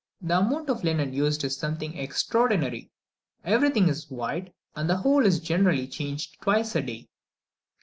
The amount of linen used is something extraordinary; everything is white, and the whole is generally changed twice a day.